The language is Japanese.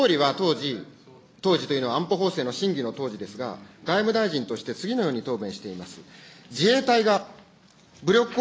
次の問いにいきますけれども、総理は当時、当時というのは、安保法制の審議の当時ですが、外務大臣として次のように答弁しています。